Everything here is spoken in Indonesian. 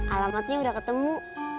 alamatnya udah ketemu